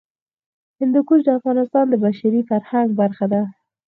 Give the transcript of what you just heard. هندوکش د افغانستان د بشري فرهنګ برخه ده.